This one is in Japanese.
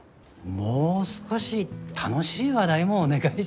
もう少し楽しい話題もお願いします。